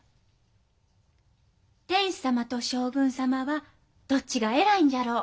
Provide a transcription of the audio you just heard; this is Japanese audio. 天子様と将軍様はどっちが偉いんじゃろう？